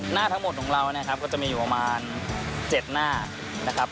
หน้าทั้งหมดของเรานะครับก็จะมีอยู่ประมาณ๗หน้านะครับ